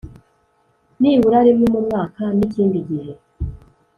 nibura rimwe mu mwaka n ikindi gihe